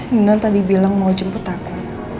nina tadi bilang mau jemput aku